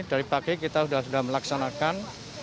dari pagi kita sudah melaksanakan